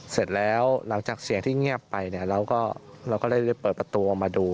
เสร็จแล้วหลังจากเสียงที่เงียบไปเนี่ยเราก็ได้เปิดประตูออกมาดู